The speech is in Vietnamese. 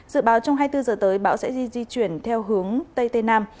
dự báo trong hai mươi bốn giờ tới bão sẽ di di chuyển theo hướng tây tây nam